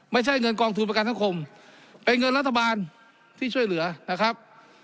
ไม่ใช่เงินกองทุนประกันสังคมเป็นเงินรัฐบาลที่ช่วยเหลือนะครับ